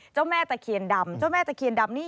เจ้าแม่เจ้าแม่เจ้าแม่เจ้าแม่เจ้าแม่